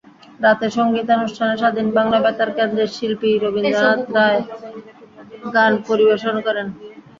রাতে সংগীতানুষ্ঠানে স্বাধীন বাংলা বেতার কেন্দ্রের শিল্পী রথীন্দ্রনাথ রায় গান পরিবেশন করেন।